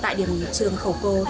tại điểm trường khẩu cồ